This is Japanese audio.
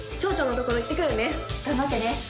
頑張ってね。